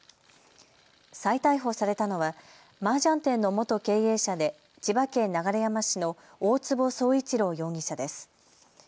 再逮捕されたのはマージャン店の元経営者で千葉県流山市の大坪宗一郎容疑者です。